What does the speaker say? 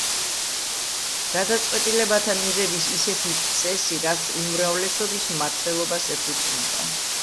გადაწყვეტილებათა მიღების ისეთი წესი რაც უმრავლესობის მმართველობას ეფუძნება.